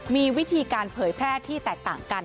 มีวิธีการเผยแพร่ที่แตกต่างกัน